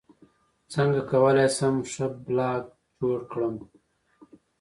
څنګه کولی شم ښه بلاګ جوړ کړم